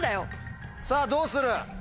さぁどうする？